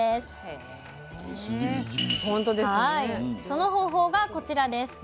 その方法がこちらです。